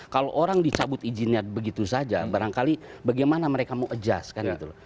kalau orang dicabut izinnya begitu saja barangkali bagaimana mereka mau adjust kan gitu loh